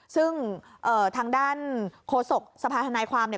ซึ่งทางด้านโฆษกสภาธนายความเนี่ย